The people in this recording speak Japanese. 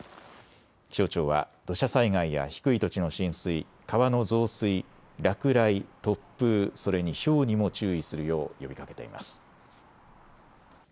気象庁は土砂災害や低い土地の浸水、川の増水、落雷、突風、それにひょうにも注意するよう呼びかけています。